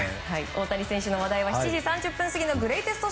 大谷選手の話題は７時３０分過ぎのグレイテスト